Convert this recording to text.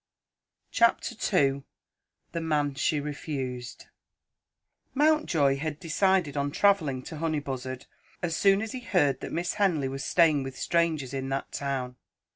CHAPTER II THE MAN SHE REFUSED MOUNTJOY had decided on travelling to Honeybuzzard, as soon as he heard that Miss Henley was staying with strangers in that town.